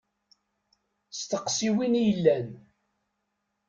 Steqsi win i yellan.